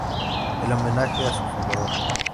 En homenaje a su fundador.